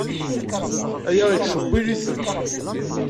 Aya yettcewwil-itent.